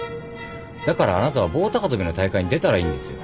だからあなたは棒高跳びの大会に出たらいいんですよ。